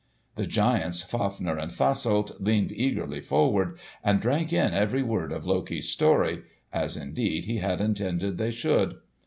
The giants Fafner and Fasolt leaned eagerly forward and drank in every word of Loki's story—as indeed he had intended they should.